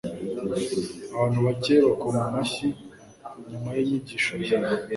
abantu bake bakoma amashyi nyuma yinyigisho ye